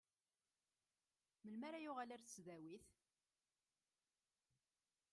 Melmi ara yeqqel ɣer tesdawit?